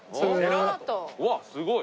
うわっすごい！